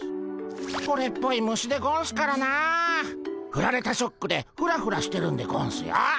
ほれっぽい虫でゴンスからなふられたショックでフラフラしてるんでゴンスよ。